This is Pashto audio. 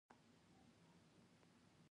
کومو خدماتو انتظار لري.